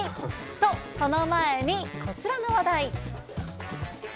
と、その前に、こちらの話題。